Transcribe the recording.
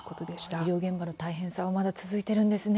医療現場の大変さはまだ続いているんですね。